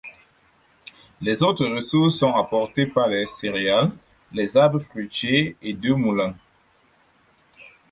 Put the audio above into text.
Les autres ressources sont apportées par les céréales, les arbres fruitiers et deux moulins.